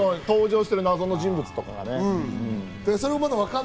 登場している謎の人物とかね。